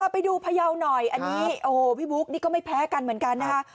ไปดูพยาวหน่อยอันนี้โอ้โหพี่บุ๊คนี่ก็ไม่แพ้กันเหมือนกันนะคะ